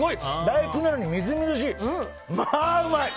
大福なのにみずみずしい。